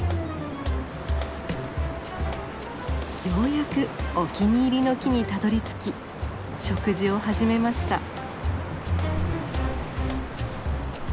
ようやくお気に入りの木にたどりつき食事を始めました。